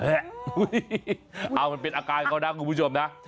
เอามันเป็นอาการเขานะคุณผู้ชมนะ